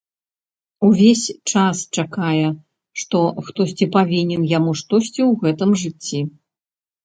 Увесь час чакае, што хтосьці павінен яму штосьці ў гэтым жыцці.